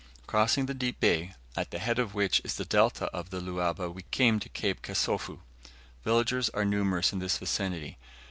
Crossing the deep bay, at the head of which is the delta of the Luaba, we came to Cape Kasofu. Villages are numerous in this vicinity.